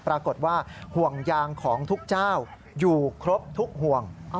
ปรากฏว่าห่วงยางของทุกเจ้าอยู่ครบทุกห่วง